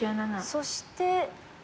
そして。